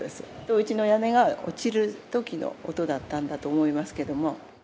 うちの屋根が落ちるときの音だったんだと思うんですけれども。